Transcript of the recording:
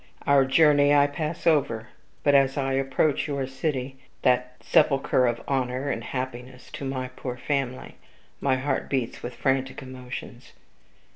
"Our journey I pass over; but as I approach your city, that sepulcher of honor and happiness to my poor family, my heart beats with frantic emotions.